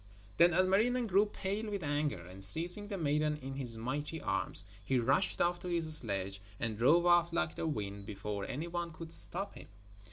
Then Ilmarinen grew pale with anger, and seizing the maiden in his mighty arms he rushed off to his sledge and drove off like the wind before any one could stop him.